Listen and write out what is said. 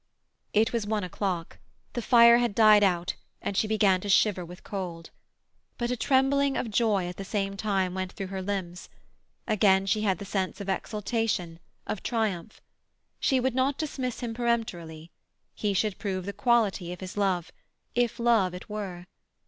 It was one o'clock; the fire had died out and she began to shiver with cold. But a trembling of joy at the same time went through her limbs; again she had the sense of exultation, of triumph. She would not dismiss him peremptorily. He should prove the quality of his love, if love it were.